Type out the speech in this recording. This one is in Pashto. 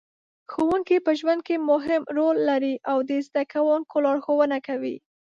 ښوونکې په ژوند کې مهم رول لري او د زده کوونکو لارښوونه کوي.